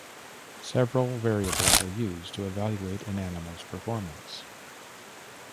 Several variables are used to evaluate an animal's performance.